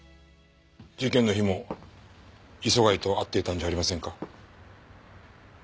事件の日も磯貝と会っていたんじゃありませんか？